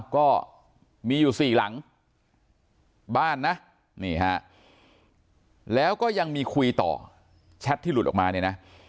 ก็มีอยู่๔หลังบ้านนะนี่ฮะแล้วก็ยังมีคุยต่อแชทที่หลุดออกมาเนี่ยนะ